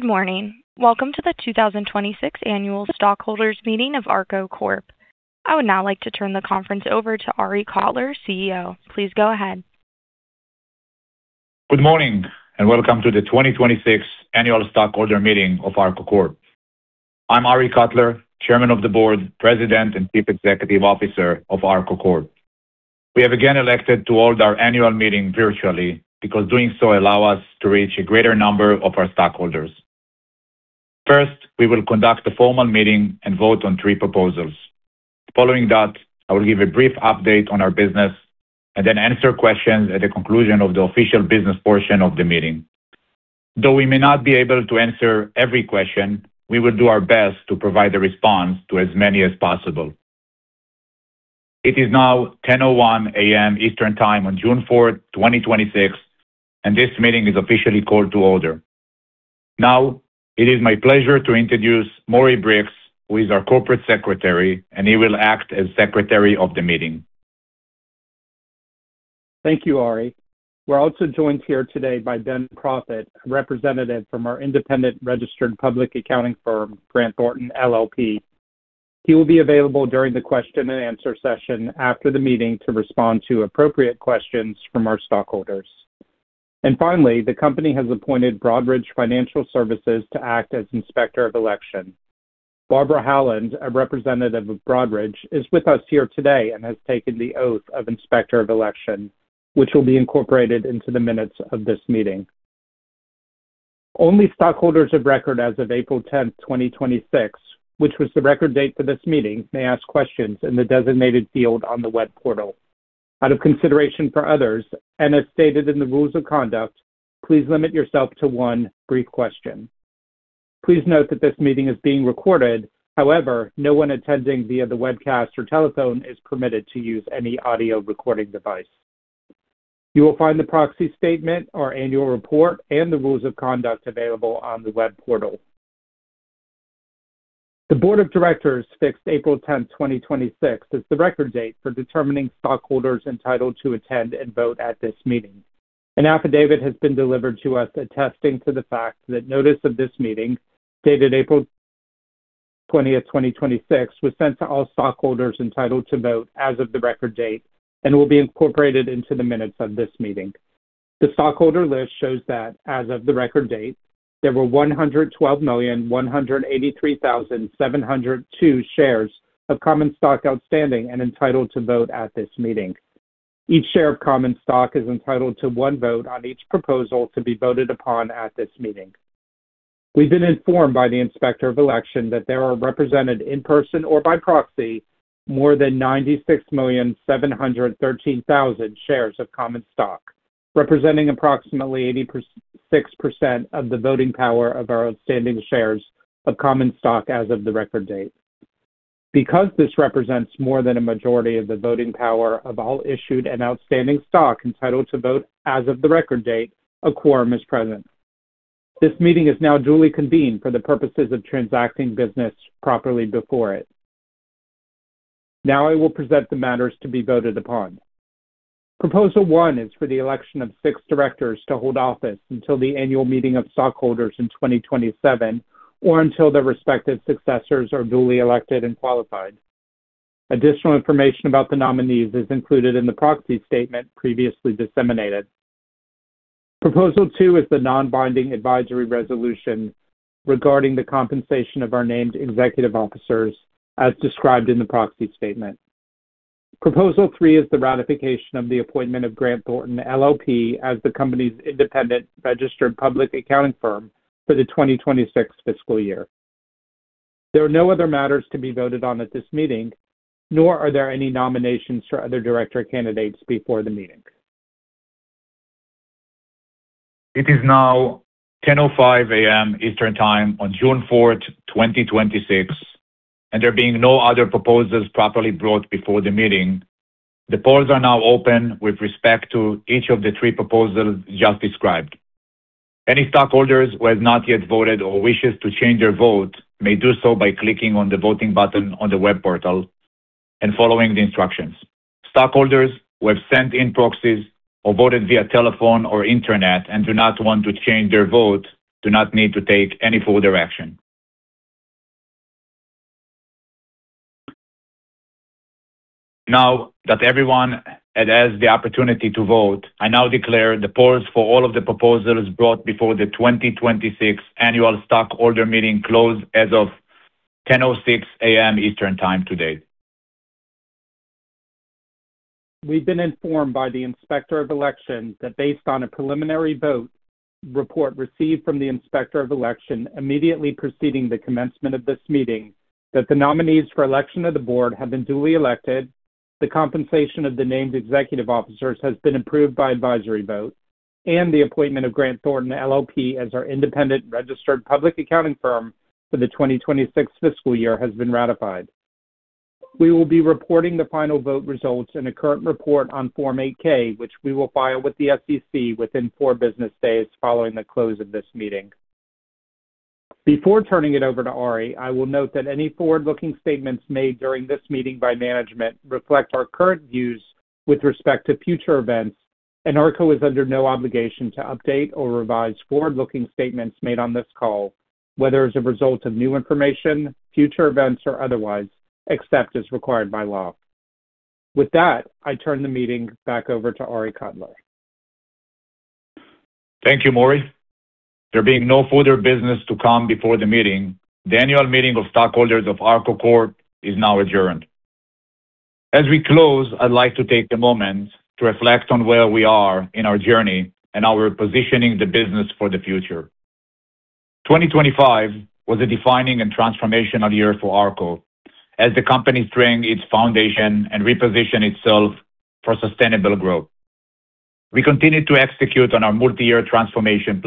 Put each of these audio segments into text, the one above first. Good morning. Welcome to the 2026 Annual Stockholders Meeting of ARKO Corp. I would now like to turn the conference over to Arie Kotler, CEO. Please go ahead. Good morning, and welcome to the 2026 Annual Stockholder Meeting of ARKO Corp. I'm Arie Kotler, Chairman of the Board, President, and Chief Executive Officer of ARKO Corp. We have again elected to hold our annual meeting virtually because doing so allows us to reach a greater number of our stockholders. First, we will conduct a formal meeting and vote on three proposals. Following that, I will give a brief update on our business and then answer questions at the conclusion of the official business portion of the meeting. Though we may not be able to answer every question, we will do our best to provide a response to as many as possible. It is now 10:01 AM Eastern Time on June 4th, 2026, and this meeting is officially called to order. Now, it is my pleasure to introduce Maury Bricks, who is our Corporate Secretary, and he will act as Secretary of the meeting. Thank you, Arie. We're also joined here today by Ben Proffitt, a representative from our independent registered public accounting firm, Grant Thornton LLP. He will be available during the question and answer session after the meeting to respond to appropriate questions from our stockholders. Finally, the company has appointed Broadridge Financial Solutions, Inc. to act as inspector of election. Barbara Howland, a representative of Broadridge, is with us here today and has taken the oath of inspector of election, which will be incorporated into the minutes of this meeting. Only stockholders of record as of April 10th, 2026, which was the record date for this meeting, may ask questions in the designated field on the web portal. Out of consideration for others, and as stated in the rules of conduct, please limit yourself to one brief question. Please note that this meeting is being recorded. However, no one attending via the webcast or telephone is permitted to use any audio recording device. You will find the proxy statement, our annual report, and the rules of conduct available on the web portal. The board of directors fixed April 10, 2026, as the record date for determining stockholders entitled to attend and vote at this meeting. An affidavit has been delivered to us attesting to the fact that notice of this meeting, dated April 20, 2026, was sent to all stockholders entitled to vote as of the record date and will be incorporated into the minutes of this meeting. The stockholder list shows that as of the record date, there were 112,183,702 shares of common stock outstanding and entitled to vote at this meeting. Each share of common stock is entitled to one vote on each proposal to be voted upon at this meeting. We've been informed by the inspector of election that there are represented in person or by proxy more than 96,713,000 shares of common stock, representing approximately 86% of the voting power of our outstanding shares of common stock as of the record date. Because this represents more than a majority of the voting power of all issued and outstanding stock entitled to vote as of the record date, a quorum is present. This meeting is now duly convened for the purposes of transacting business properly before it. Now I will present the matters to be voted upon. Proposal one is for the election of six directors to hold office until the annual meeting of stockholders in 2027 or until their respective successors are duly elected and qualified. Additional information about the nominees is included in the proxy statement previously disseminated. Proposal two is the non-binding advisory resolution regarding the compensation of our named executive officers, as described in the proxy statement. Proposal three is the ratification of the appointment of Grant Thornton LLP as the company's independent registered public accounting firm for the 2026 fiscal year. There are no other matters to be voted on at this meeting, nor are there any nominations for other director candidates before the meeting. It is now 10:05 A.M. Eastern Time on June 4th, 2026. There being no other proposals properly brought before the meeting, the polls are now open with respect to each of the three proposals just described. Any stockholders who have not yet voted or wishes to change their vote may do so by clicking on the voting button on the web portal and following the instructions. Stockholders who have sent in proxies or voted via telephone or internet and do not want to change their vote do not need to take any further action. Now that everyone has had the opportunity to vote, I now declare the polls for all of the proposals brought before the 2026 annual stockholder meeting closed as of 10:06 A.M. Eastern Time today. We've been informed by the inspector of election that based on a preliminary vote report received from the inspector of election immediately preceding the commencement of this meeting, that the nominees for election of the board have been duly elected, the compensation of the named executive officers has been approved by advisory vote, and the appointment of Grant Thornton LLP as our independent registered public accounting firm for the 2026 fiscal year has been ratified. We will be reporting the final vote results in a current report on Form 8-K, which we will file with the SEC within four business days following the close of this meeting. Before turning it over to Arie, I will note that any forward-looking statements made during this meeting by management reflect our current views with respect to future events. ARKO is under no obligation to update or revise forward-looking statements made on this call, whether as a result of new information, future events, or otherwise, except as required by law. With that, I turn the meeting back over to Arie Kotler. Thank you, Maury. There being no further business to come before the meeting, the annual meeting of stockholders of ARKO Corp is now adjourned. As we close, I'd like to take a moment to reflect on where we are in our journey and how we're positioning the business for the future. 2025 was a defining and transformational year for ARKO as the company strengthened its foundation and repositioned itself for sustainable growth. We continued to execute on our multi-year transformation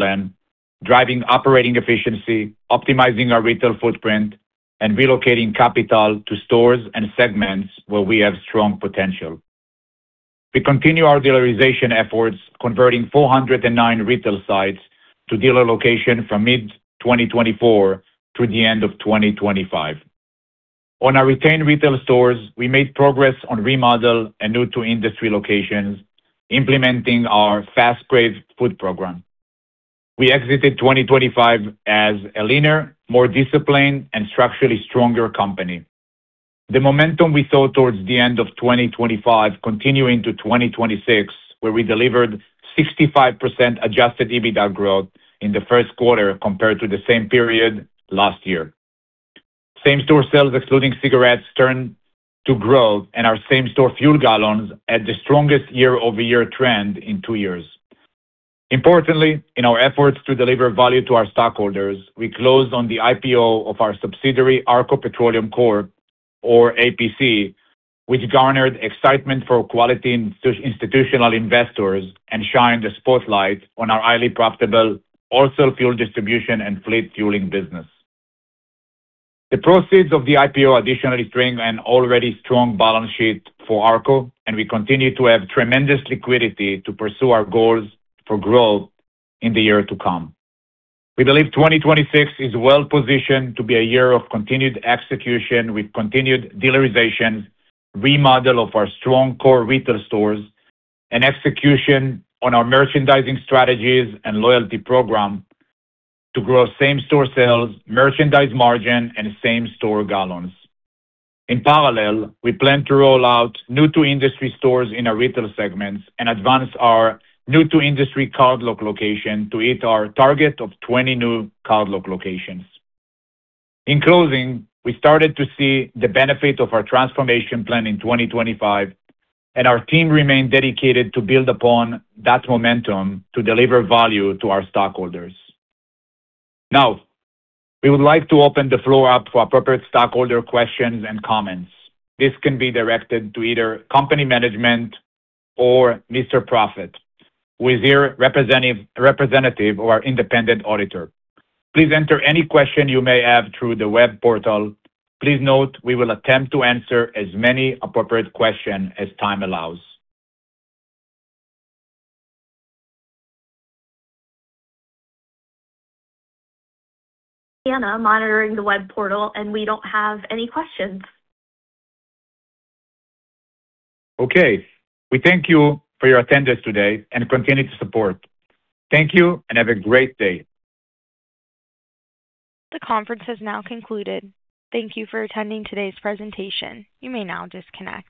plan, driving operating efficiency, optimizing our retail footprint, and relocating capital to stores and segments where we have strong potential. We continue our dealerization efforts, converting 409 retail sites to dealer locations from mid-2024 through the end of 2025. On our retained retail stores, we made progress on remodels and new-to-industry locations, implementing our fas Craves food program. We exited 2025 as a leaner, more disciplined, and structurally stronger company. The momentum we saw towards the end of 2025 continuing to 2026, where we delivered 65% adjusted EBITDA growth in the first quarter compared to the same period last year. Same-store sales, excluding cigarettes, turned to growth, and our same-store fuel gallons had the strongest year-over-year trend in two years. Importantly, in our efforts to deliver value to our stockholders, we closed on the IPO of our subsidiary, ARKO Petroleum Corp, or APC, which garnered excitement for quality institutional investors and shined a spotlight on our highly profitable wholesale fuel distribution and fleet fueling business. The proceeds of the IPO additionally strengthened an already strong balance sheet for ARKO, and we continue to have tremendous liquidity to pursue our goals for growth in the year to come. We believe 2026 is well-positioned to be a year of continued execution with continued dealerization, remodel of our strong core retail stores, and execution on our merchandising strategies and loyalty program to grow same-store sales, merchandise margin, and same-store gallons. In parallel, we plan to roll out new-to-industry stores in our retail segments and advance our new-to-industry cardlock location to hit our target of 20 new cardlock locations. In closing, we started to see the benefits of our transformation plan in 2025, and our team remains dedicated to build upon that momentum to deliver value to our stockholders. Now, we would like to open the floor up for appropriate stockholder questions and comments. This can be directed to either company management or Mr. Proffitt, who is here, representative of our independent auditor. Please enter any question you may have through the web portal. Please note we will attempt to answer as many appropriate questions as time allows. I am monitoring the web portal, and we don't have any questions. We thank you for your attendance today and continued support. Thank you and have a great day. The conference has now concluded. Thank you for attending today's presentation. You may now disconnect.